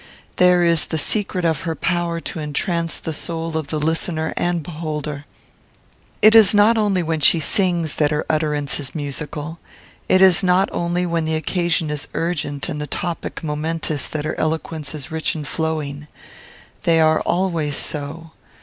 There is the secret of her power to entrance the soul of the listener and beholder. It is not only when she sings that her utterance is musical. It is not only when the occasion is urgent and the topic momentous that her eloquence is rich and flowing. They are always so.